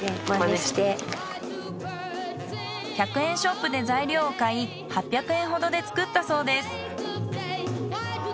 １００円ショップで材料を買い８００円ほどで作ったそうです。